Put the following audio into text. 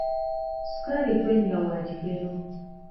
Ssukaali gwe nnywa wa kigero.